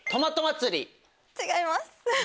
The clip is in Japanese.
違います。